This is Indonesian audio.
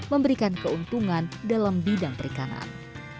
memberikan keuntungan dalam bidang perikanan